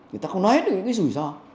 người ta không nói được những cái rủi ro